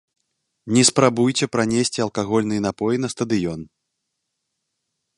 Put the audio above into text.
Не спрабуйце пранесці алкагольныя напоі на стадыён.